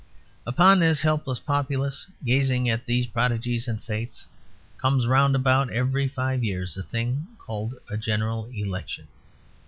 Upon this helpless populace, gazing at these prodigies and fates, comes round about every five years a thing called a General Election.